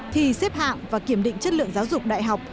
thì xếp hạng và kiểm định chất lượng giáo dục đại học